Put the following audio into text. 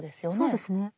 そうですね。